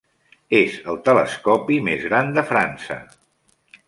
És el telescopi més gran de França.